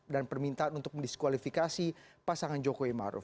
dan permintaan untuk mendiskualifikasi pasangan joko imaruf